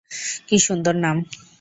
কি সুন্দর নাম।